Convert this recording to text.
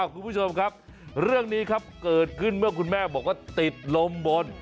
คุณผู้ชมครับเรื่องนี้ครับเกิดขึ้นเมื่อคุณแม่บอกว่าติดลมบน